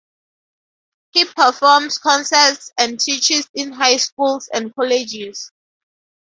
He performs concerts and teaches in high schools and colleges.